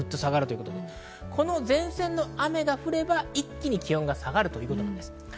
前線の雨が降れば一気に気温が下がるということです。